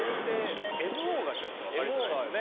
でもＭＯがちょっとわかりづらいですね。